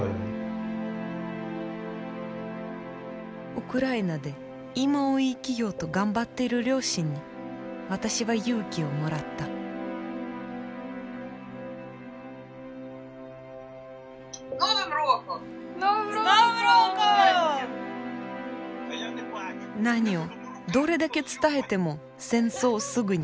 ウクライナで「今を生きよう」と頑張っている両親に私は勇気をもらった何をどれだけ伝えても戦争をすぐに止めることはできない。